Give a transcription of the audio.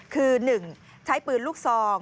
คือ๑ใช้ปืนลูกซอง